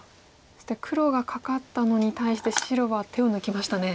そして黒がカカったのに対して白は手を抜きましたね。